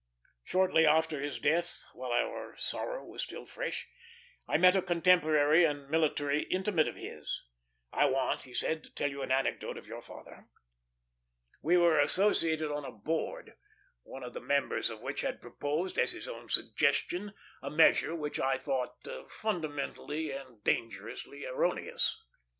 Shortly after his death, while our sorrow was still fresh, I met a contemporary and military intimate of his. "I want," he said, "to tell you an anecdote of your father. We were associated on a board, one of the members of which had proposed, as his own suggestion, a measure which I thought fundamentally and dangerously erroneous.